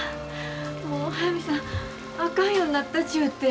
もう速水さんあかんようになったちゅうて。